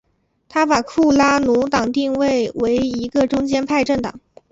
他把库拉努党定位为一个中间派政党。